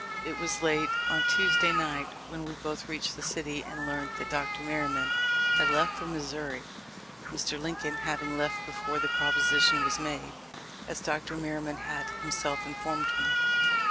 It was late on Tuesday night when we both reached the city and learned that Dr. Merryman had left for Missouri, Mr. Lincoln having left before the propo sition was made, as Dr. Merryman had himself informed me.